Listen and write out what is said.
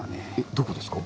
どこですか？